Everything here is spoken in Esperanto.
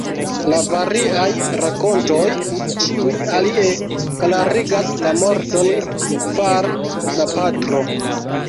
La variaj rakontoj ĉiuj alie klarigas la morton far la patro.